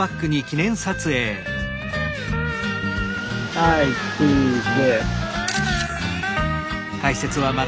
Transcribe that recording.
・はいチーズ！